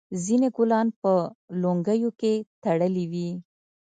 ځینو ګلان په لونګیو کې تړلي وي.